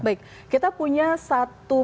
baik kita punya satu